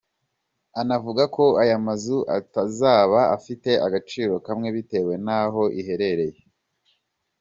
Anavuga ko aya mazu atazaba afite agaciro kamwe bitewe n’aho iherereye.